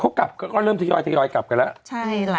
เขากลับก็เริ่มทยอยกลับกันแล้ว